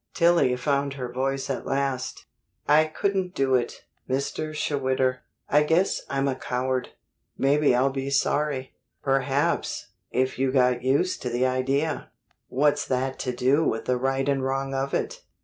Tillie found her voice at last: "I couldn't do it, Mr. Schwitter. I guess I'm a coward. Maybe I'll be sorry." "Perhaps, if you got used to the idea " "What's that to do with the right and wrong of it?"